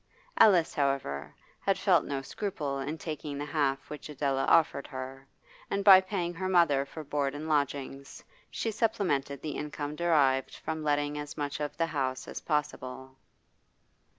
Alice, however, had felt no scruple in taking the half which Adela offered her, and by paying her mother for board and lodgings she supplemented the income derived from letting as much of the house as possible.